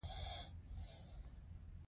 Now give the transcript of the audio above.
دا ځای د آرام احساس راکوي.